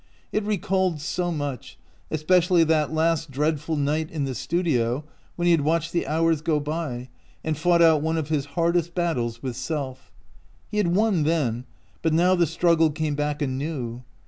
It recalled so much, especially that last dreadful night in the studio when he had watched the hours go by and fought out one of his hardest battles with self. He had won then, but now the struggle came back anew.